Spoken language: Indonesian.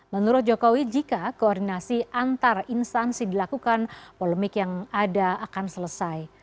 menurut jokowi jika koordinasi antar instansi dilakukan polemik yang ada akan selesai